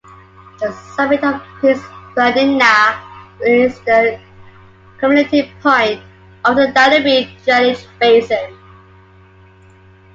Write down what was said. The summit of Piz Bernina is the culminating point of the Danube drainage basin.